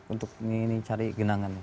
untuk cari genangan